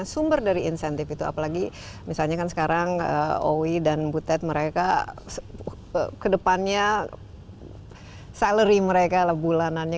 sumber dari insentif itu apalagi misalnya kan sekarang owi dan butet mereka kedepannya salary mereka lah bulanannya